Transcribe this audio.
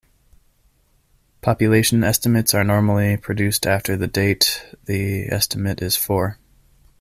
Population estimates are normally produced after the date the estimate is for.